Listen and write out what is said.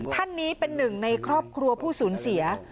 ท่านนี้เป็นหนึ่งในครอบครัวผู้สูญเสีย